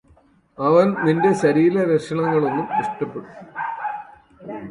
അവന് നിന്റെ ശരീര ലക്ഷണങ്ങളൊന്നും ഇഷ്ടപ്പെടുന്നില്ല